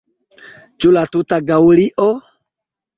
Ĉu la tuta Gaŭlio?